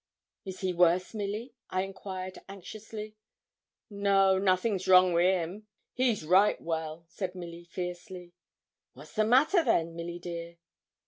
'Is he worse, Milly?' I enquired, anxiously. 'No, nothing's wrong wi' him; he's right well,' said Milly, fiercely. 'What's the matter then, Milly dear?'